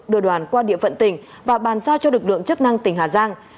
đưa đoàn qua địa phận tỉnh và bàn giao cho lực lượng chức năng tỉnh hà giang